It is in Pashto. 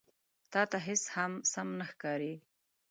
_تاته هېڅ هم سم نه ښکاري.